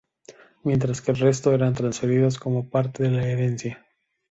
Mientras que el resto eran transferidos como parte de la herencia.